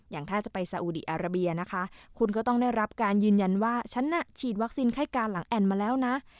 อย่างถ้าจะไปสาอุดีอาราเบียนะคะคุณก็ต้องได้รับการยืนยันว่าฉันน่ะฉีดวัคซีนไข้การหลังแอ่นมาแล้วนะ